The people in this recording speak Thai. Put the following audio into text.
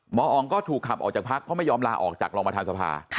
อองก็ถูกขับออกจากพักเพราะไม่ยอมลาออกจากรองประธานสภา